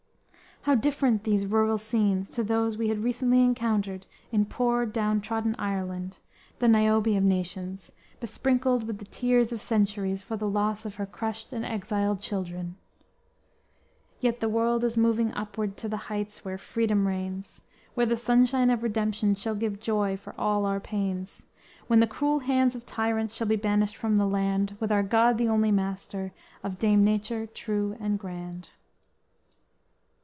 How different these rural scenes to those we had recently encountered in poor down trodden Ireland, the Niobe of nations, besprinkled with the tears of centuries for the loss of her crushed and exiled children. _Yet, the world is moving upward To the heights where Freedom reigns; Where the sunshine of redemption Shall give joy for all our pains, When the cruel hands of tyrants Shall be banished from the land With our God the only Master Of Dame Nature true and grand!